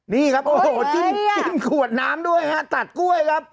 นี่ครับโอ้โหจิ้มขวดน้ำด้วยฮะตัดกล้วยครับ